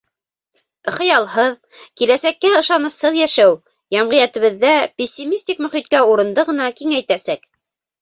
Хыялһыҙ, киләсәккә ышанысһыҙ йәшәү йәмғиәтебеҙҙә пессимистик мөхиткә урынды ғына киңәйтәсәк.